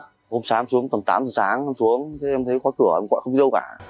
hôm sáng em xuống tầm tám giờ sáng em xuống em thấy có cửa em gọi không đi đâu cả